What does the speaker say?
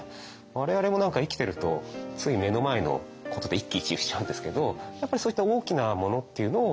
我々も何か生きてるとつい目の前のことで一喜一憂しちゃうんですけどやっぱりそういった大きなものっていうのを